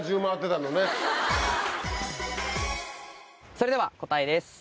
それでは答えです。